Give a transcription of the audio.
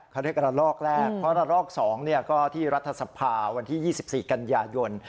เขาเรียกระลอกแรกเพราะระลอก๒ก็ที่รัฐสภาวันที่๒๔กันยายน